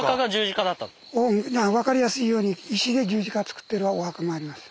分かりやすいように石で十字架作ってるお墓もあります。